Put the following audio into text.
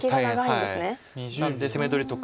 なので攻め取りとか。